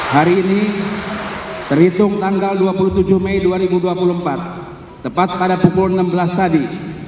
hari ini terhitung tanggal dua puluh tujuh mei dua ribu dua puluh empat tepat pada pukul enam belas tadi